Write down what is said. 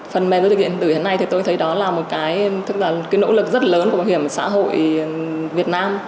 phần mềm giao dịch điện tử thế này thì tôi thấy đó là một cái nỗ lực rất lớn của bảo hiểm xã hội việt nam